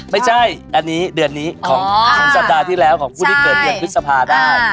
ไม่ใช่อันนี้เดือนนี้ของสัปดาห์ที่แล้วของผู้ที่เกิดเดือนพฤษภาได้